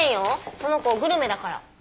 その子グルメだから。